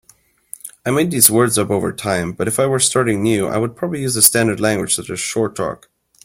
I made these words up over time, but if I were starting new I would probably use a standard language such as Short Talk.